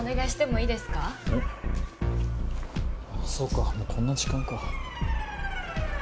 あぁそうかもうこんな時間か。